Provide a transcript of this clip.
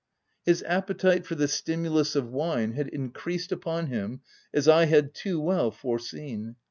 His ap petite for the stimulus of wine had increased upon him, as I had too well foreseen.